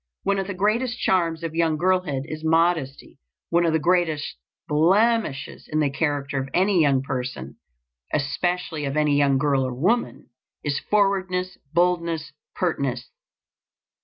One of the greatest charms of young girlhood is modesty; one of the greatest blemishes in the character of any young person, especially of any young girl or woman, is forwardness, boldness, pertness.